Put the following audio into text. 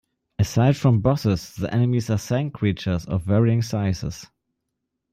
Aside from bosses, the enemies are sand creatures of varying sizes.